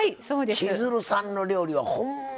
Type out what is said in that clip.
千鶴さんの料理はほんま